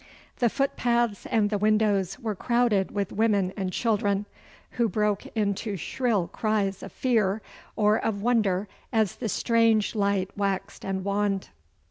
The footpaths and the windows were crowded with women and children, who broke into shrill cries of fear or of wonder as the strange light waxed and waned.